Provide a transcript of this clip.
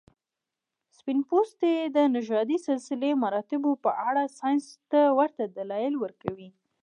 سپین پوستي د نژادي سلسله مراتبو په اړه ساینس ته ورته دلیل ورکوي.